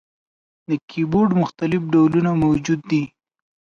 د کیبورډ مختلف ډولونه موجود دي.